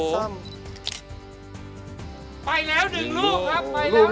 ไปแล้ว๑ลูกครับไปแล้ว๑ลูก